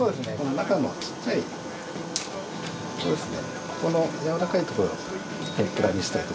中のちっちゃいここですね。